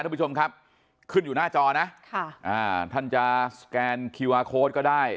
ท่านผู้ชมครับขึ้นอยู่หน้าจอนะค่ะอ่าท่านจะสแกนคิวอาร์โค้ดก็ได้